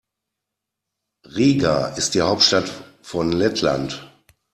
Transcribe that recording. Riga ist die Hauptstadt von Lettland.